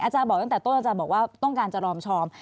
บอกตั้งแต่ต้นอาจารย์บอกว่าต้องการจะรอมชอม